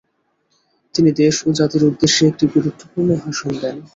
তিনি দেশ ও জাতির উদ্দেশ্যে একটি গুরুত্বপূর্ণ ভাষণ দেন।